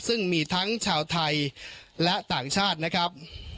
ซึ่งมีทั้งชาวไทยและต่างชาตินะครับ